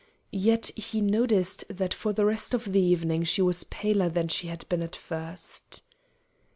Yet he noticed that for the rest of the evening she was paler than she had been at first.